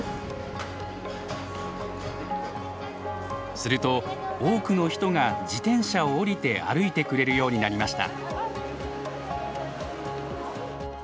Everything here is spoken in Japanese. すると多くの人が自転車を降りて歩いてくれるようになりました。